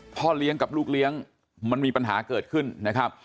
พ่อเลี้ยงกับลูกเลี้ยงมันมีปัญหาเกิดขึ้นนะครับ